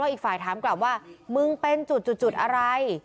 อีกฝ่ายถามกลับว่ามึงเป็นจุดอะไร